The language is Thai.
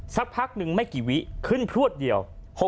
สักพักนึงไม่กี่วิขึ้นพรวดเดียว๖๙๗๑๗๓